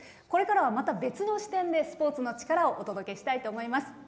これからはまた別の視点でスポーツの力をお届けしたいと思います。